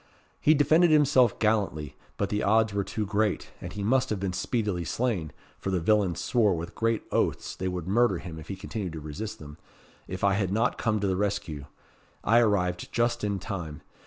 He defended himself gallantly, but the odds were too great, and he must have been speedily slain for the villains swore with great oaths they would murder him if he continued to resist them if I had not come to the rescue. I arrived just in time.